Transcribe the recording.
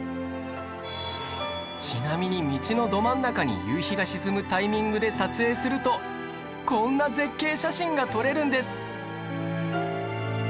ちなみに道のど真ん中に夕日が沈むタイミングで撮影するとこんな絶景写真が撮れるんです